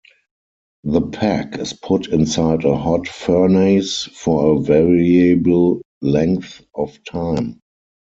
The pack is put inside a hot furnace for a variable length of time.